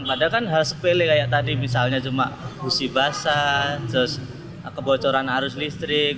padahal kan hal sepele kayak tadi misalnya cuma busi basah terus kebocoran arus listrik